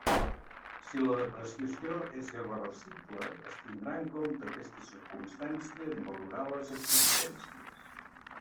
Si la depreciació és irreversible, es tindrà en compte aquesta circumstància en valorar les existències.